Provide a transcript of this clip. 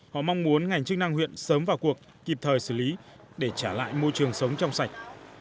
họ mong muốn ngành chức năng huyện sớm vào cuộc kịp thời xử lý để trả lại môi trường sống trong sạch